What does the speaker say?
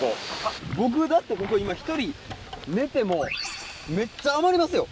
僕だってここ今１人寝てもめっちゃ余りますよ。